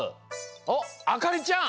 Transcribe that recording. おっあかりちゃん。